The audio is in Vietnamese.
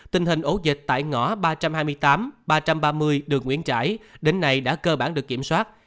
tình hình ổ dịch tại ngõ ba trăm hai mươi tám ba trăm ba mươi đường nguyễn trãi đến nay đã cơ bản được kiểm soát